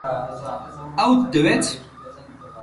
ئەوت دەوێت؟